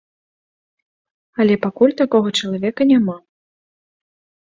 Але пакуль такога чалавека няма.